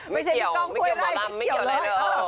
ไม่เกี่ยวไม่เกี่ยวหมอลำไม่เกี่ยวอะไรเลย